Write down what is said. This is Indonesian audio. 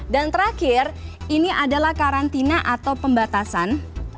dan terakhir ini adalah karantina atau pembatasan